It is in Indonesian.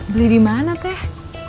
beli dimana teh